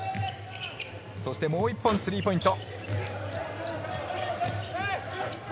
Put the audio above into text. そして、もう１本スリーポイント。